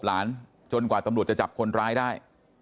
จนกว่าตำรวจจะจับคนร้ายได้